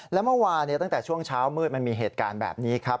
และเมื่อวานตั้งแต่ช่วงเช้ามืดมันมีเหตุการณ์แบบนี้ครับ